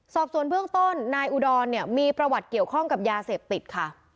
สอบส่วนเบื้องต้นนายอุดรเนี่ยมีประวัติเกี่ยวข้องกับยาเสพติดค่ะ